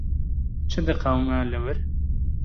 Çi diqewime li wir?